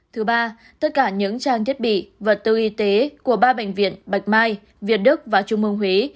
thứ ba tất cả những trang thiết bị vật tư y tế của ba bệnh viện bạch mai việt đức và trung mương huế